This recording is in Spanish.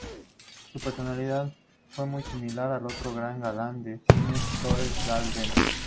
Su personalidad fue muy similar a otro gran galán de cine, Floren Delbene.